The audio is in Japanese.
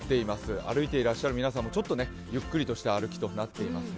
歩いていらっしゃる皆さんもちょっとゆっくりとした歩きとなっていますね。